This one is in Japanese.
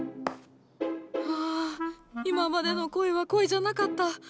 はあ今までの恋は恋じゃなかった！